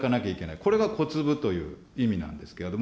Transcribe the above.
これが小粒という意味なんですけれども。